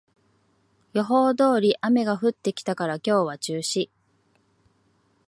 予報通り雨が降ってきたから今日は中止